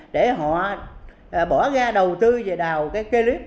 để họ bỏ ra đầu tư về đào cái clip